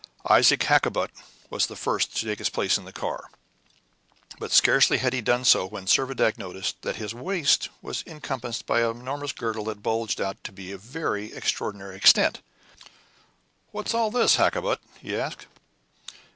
Isaac Hakkabut was the first to take his place in the car. But scarcely had he done so, when Servadac noticed that his waist was encompassed by an enormous girdle that bulged out to a very extraordinary extent. "What's all this, Hakkabut?" he asked.